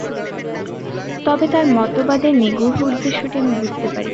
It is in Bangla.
তবে তাঁর মতবাদের নিগূঢ় উদ্দেশ্যটি আমি বুঝতে পারি।